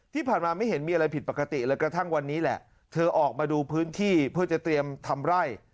ที่ผ่านมาไม่เห็นมีอะไรผิดปกติเลยกระทั่งวันนี้แหละเธอออกมาดูพื้นที่เพื่อจะเตรียมทำไร่